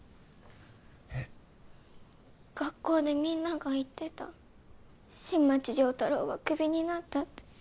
えっ学校でみんなが言ってた新町亮太郎はクビになったって